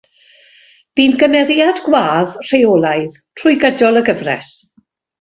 Bu'n gymeriad gwadd rheolaidd trwy gydol y gyfres.